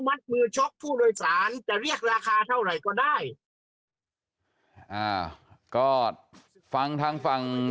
มัดมือช็อคผู้โดยสารจะเรียกราคาเท่าไหร่ก็ได้ก็ฟังทาง